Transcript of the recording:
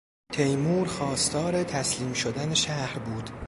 تیمور خواستار تسلیم شدن شهر بود.